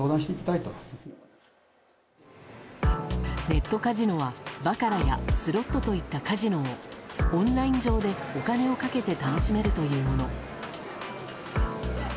ネットカジノは、バカラやスロットといったカジノをオンライン上でお金をかけて楽しめるというもの。